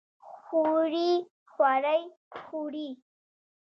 خوري خورۍ خورې؟